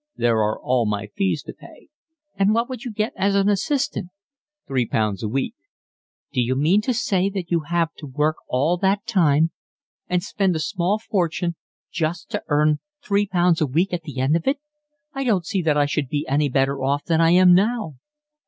There are all my fees to pay." "And what would you get as an assistant?" "Three pounds a week." "D'you mean to say you have to work all that time and spend a small fortune just to earn three pounds a week at the end of it? I don't see that I should be any better off than I am now."